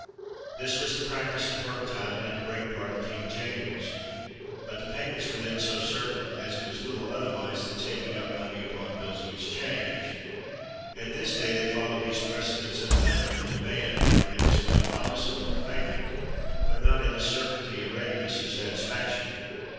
This was the practise in her time, and in a great part of King James '. But the payments were then so certain, as it was little otherwise than taking up money upon bills of exchange. At this day they follow these precedents in the manner of the demand (for it is with a promise of a repayment), but not in the certainty and readiness of satisfaction.